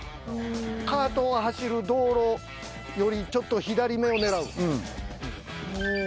カートが走る道路よりちょっと左めを狙う。